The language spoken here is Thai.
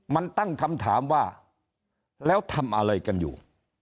มันตั้งคำถามว่าแล้วทำอะไรกันอยู่